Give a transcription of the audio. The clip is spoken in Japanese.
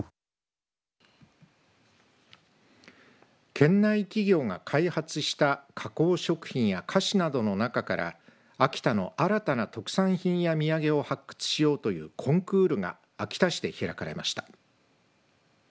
県内企業が開発した加工食品や菓子などの中から秋田の新たな特産品や土産を発掘しようというコンクールが秋田市で開かれました。